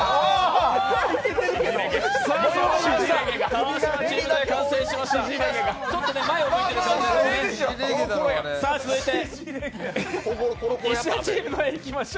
川島チームの絵、完成しました。